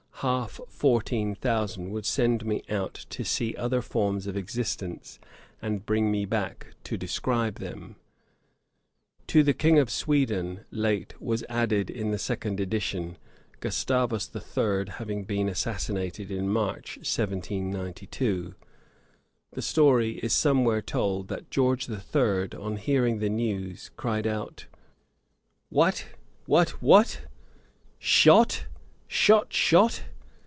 Half fourteen thousand would send me out to see other forms of existence, and bring me back to describe them.' Piozzi Letters, i. 266. To the 'King of Sweden' late was added in the second edition; Gustavus III having been assassinated in March 1792. The story is somewhere told that George III, on hearing the news, cried out, 'What, what, what! Shot, shot, shot!'